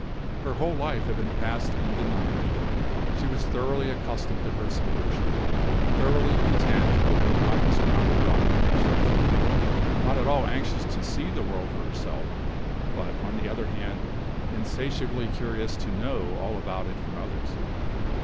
Her whole life had been passed in the nunnery; she was thoroughly accustomed to her seclusion, thoroughly content with the monotonous round of her occupations; not at all anxious to see the world for herself; but, on the other hand, insatiably curious to know all about it from others.